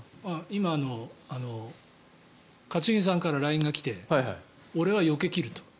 今、一茂さんからＬＩＮＥが来て俺は、よけ切ると。